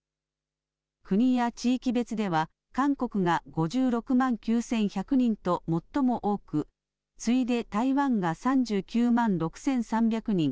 国や地域別では韓国が５６万９１００人と最も多く次いで台湾が３９万６３００人